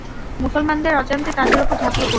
মুসলমানদের অজান্তে তাদের উপর ঝাঁপিয়ে পড়ব।